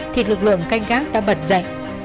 thì lực lượng canh gác đã bật dậy